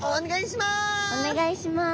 お願いします。